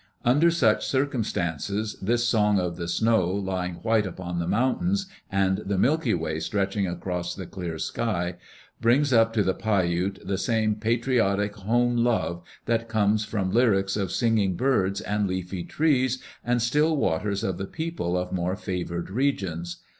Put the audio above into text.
Under such circumstances this song of the snow lying white upon the mountains, and the Milky Way stretching across the clear sky, brings up to the Paiute the same patriotic home love that comes from lyrics of singing birds and leafy trees and still waters to the people of more favored regions....